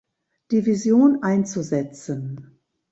Division einzusetzen.